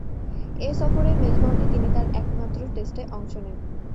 এ সফরেই মেলবোর্নে তিনি তার একমাত্র টেস্টে অংশ নেন।